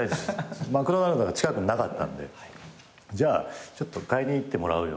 マクドナルドが近くになかったのでじゃあ買いに行ってもらうよって言って。